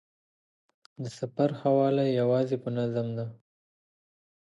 د سفر ښه والی یوازې په نظم دی.